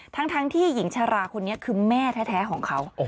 ทั้งที่หญิงชราคนนี้คือแม่แท้ของเขา